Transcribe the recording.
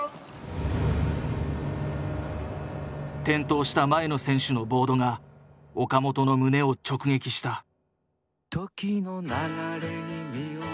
転倒した前の選手のボードが岡本の胸を直撃した。